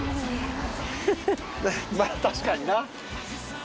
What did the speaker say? まあ確かにな。